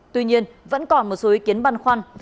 tuy nhiên vẫn còn một số ý kiến băn khoăn